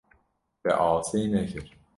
Te asê nekir.